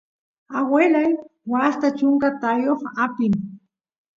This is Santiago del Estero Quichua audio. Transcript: aguelay waasta chunka taayoq apin